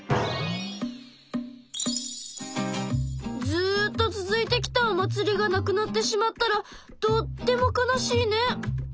ずっと続いてきたお祭りがなくなってしまったらとっても悲しいね。